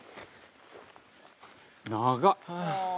「長っ！」